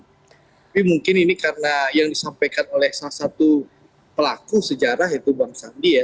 tapi mungkin ini karena yang disampaikan oleh salah satu pelaku sejarah itu bang sandi ya